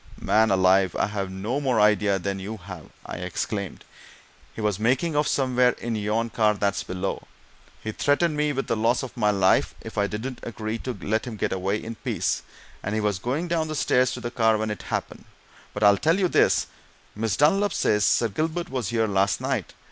"Man alive, I've no more idea than you have!" I exclaimed. "He was making off somewhere in yon car that's below he threatened me with the loss of my life if I didn't agree to let him get away in peace, and he was going down the stairs to the car when it happened. But I'll tell you this: Miss Dunlop says Sir Gilbert was here last night!